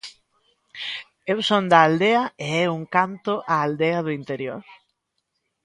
Eu son da aldea, e é un canto á aldea do interior.